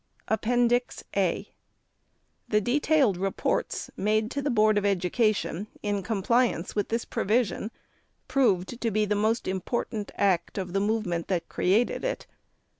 APPENDIX. (A) p. 94. THE detailed reports made to the Board of Education in compli ance with this provision proved to be the most important act of the movement that created it.